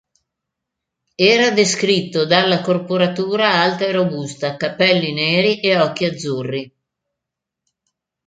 Era descritto dalla corporatura alta e robusta, capelli neri e occhi azzurri.